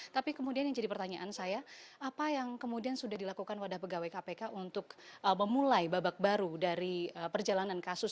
tapi kemudian yang jadi pertanyaan saya apa yang kemudian sudah dilakukan wadah pegawai kpk untuk memulai babak baru dari perjalanan kasus